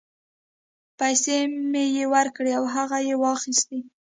پیسې مې یې ورکړې او هغه یې واخیستې.